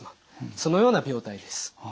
そのような病態です。